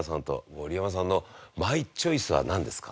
森山さんのマイチョイスはなんですか？